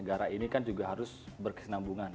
negara ini kan juga harus berkesenambungan